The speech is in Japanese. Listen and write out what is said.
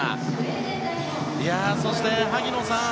そして萩野さん